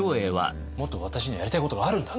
「もっと私にはやりたいことがあるんだ」と。